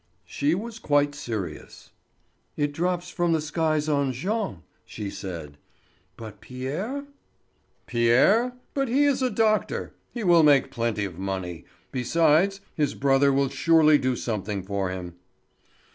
She was quite serious. "It drops from the skies on Jean," she said. "But Pierre?" "Pierre? But he is a doctor; he will make plenty of money; besides, his brother will surely do something for him."